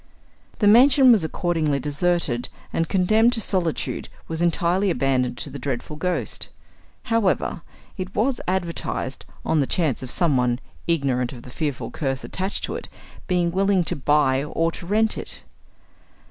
The mansion was accordingly deserted, and condemned to solitude, was entirely abandoned to the dreadful ghost. However, it was advertised, on the chance of someone, ignorant of the fearful curse attached to it, being willing to buy or to rent it.